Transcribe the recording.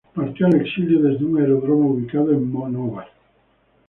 Partió al exilio desde un aeródromo ubicado en Monóvar.